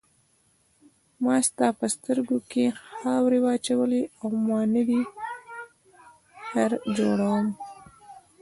ما ستا په سترګو کې خاورې واچولې او ما نه دې خر جوړ کړ.